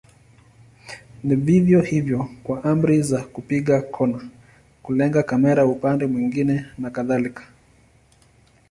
Ni vivyo hivyo kwa amri za kupiga kona, kulenga kamera upande mwingine na kadhalika.